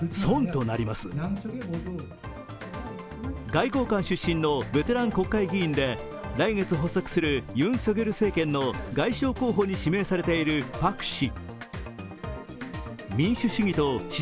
外交官出身のベテラン国会議員で来月発足するユン・ソギョル政権の外相候補に指名されているパク氏。